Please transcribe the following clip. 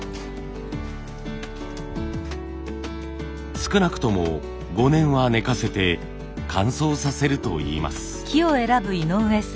少なくとも５年は寝かせて乾燥させるといいます。